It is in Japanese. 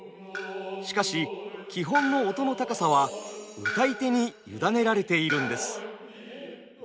しかし基本の音の高さは謡い手に委ねられているんです。